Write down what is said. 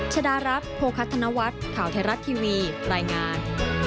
ชดารัฐโภคัธนวัฒน์ข่าวไทยรัฐทีวีรายงาน